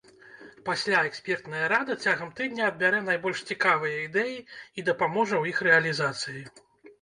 Пасля экспертная рада цягам тыдня адбярэ найбольш цікавыя ідэі і дапаможа ў іх рэалізацыі.